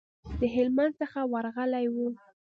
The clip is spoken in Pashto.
د هلمند څخه ورغلي وو.